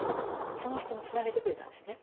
その人につなげてくれたんですね。